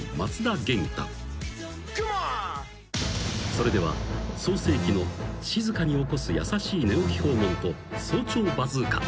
［それでは創世記の静かに起こす優しい寝起き訪問と早朝バズーカ。